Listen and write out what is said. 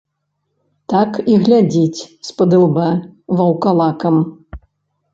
Так і глядзіць спадылба ваўкалакам.